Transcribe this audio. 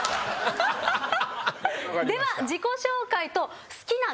では自己紹介と。